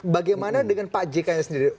bagaimana dengan pak jika sendiri